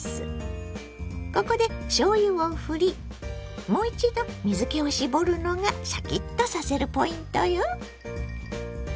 ここでしょうゆをふりもう一度水けを絞るのがシャキッとさせるポイントよ。